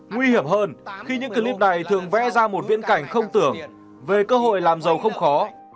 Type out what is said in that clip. nguy hiểm hơn khi những clip này thường vẽ ra một viễn cảnh không tưởng về cơ hội làm giàu không khó